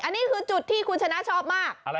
อันนี้คือจุดที่คุณชนะชอบมาก